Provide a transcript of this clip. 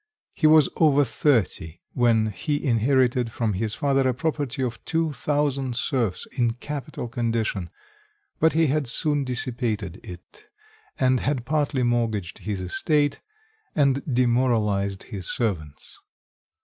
He was over thirty when he inherited from his father a property of two thousand serfs in capital condition; but he had soon dissipated it, and had partly mortgaged his estate, and demoralised his servants.